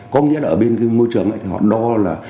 có nghĩa là ở bên cái môi trường thì họ đo là